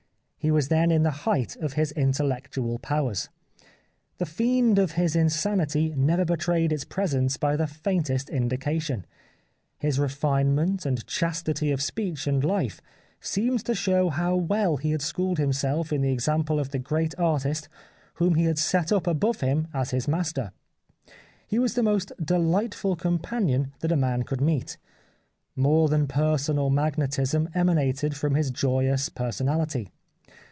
He was then in the height of his intellectual powers. The fiend of his insanity never betrayed its presence by the faintest indication. His refine ment and chastity of speech and life seemed to show how well he had schooled himself in the example of the great artist whom he had set up above him as his master. He was the most delightful companion that a man could meet. More than personal magnetism emanated from his joyous personality.